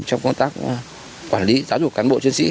trong công tác quản lý giáo dục cán bộ chiến sĩ